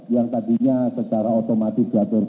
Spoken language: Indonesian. yang tadinya secara otomatis diatur